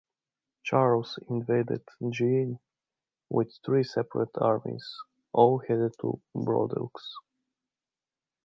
Charles invaded Guyenne with three separate armies, all headed for Bordeaux.